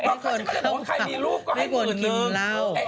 แล้วก็บอกว่าใครมีรูปก็ให้หมื่นหนึ่ง